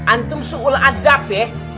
antum suul adab ya